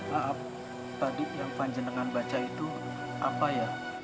pak abdi yang fancen dengan baca itu apa ya